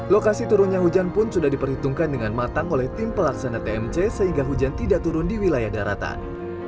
lokasi turunnya hujan pun sudah diperhitungkan dengan matang oleh tim pelaksana tmc sehingga hujan tidak turun di wilayah daratan